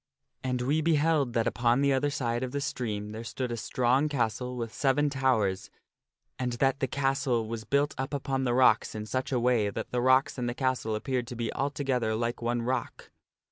And we beheld that upon the other side of the stream there stood a strong castle with seven towers, and that the castle was built up upon the rocks in such a way that the rocks and the castle appeared to be altogether like one rock.